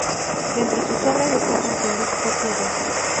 De entre sus obras, destacan con luz propia dos.